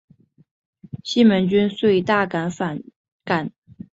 西门君遂大为反感。